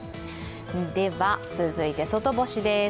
では、続いて外干しです。